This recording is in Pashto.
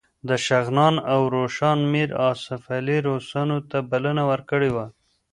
د شغنان او روشان میر آصف علي روسانو ته بلنه ورکړې وه.